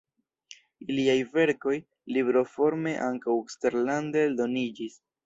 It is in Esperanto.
Iliaj verkoj libroforme ankaŭ eksterlande eldoniĝis.